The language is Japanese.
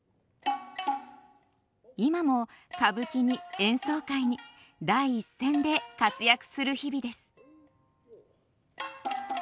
今も歌舞伎に演奏会に第一線で活躍する日々です。